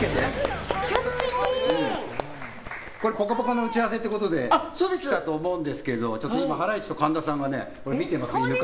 「ぽかぽか」の打ち合わせで来たと思うんですけど今、ハライチと神田さんが見てますよ。